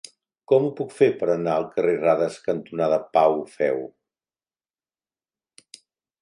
Com ho puc fer per anar al carrer Radas cantonada Pau Feu?